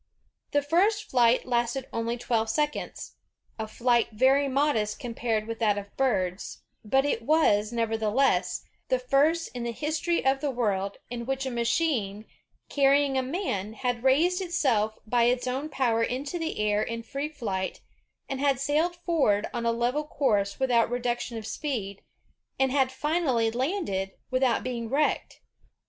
''The first flight lasted only twelve seconds, a flight very modest compared with that of birds, but it was, nevertheless, the first in the history of the world, in which a machine carrying a man had raised itself by its own power into the air in free flight, had sailed forward on a level course without reduction of speed, and had finally landed without being wrecked.